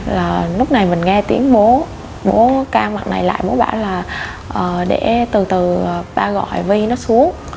lúc này mình nghe tiếng bố bố ca mặt này lại bố bảo là để từ từ ba gọi vi nó xuống